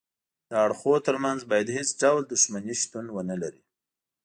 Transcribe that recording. د اړخونو ترمنځ باید هیڅ ډول دښمني شتون ونلري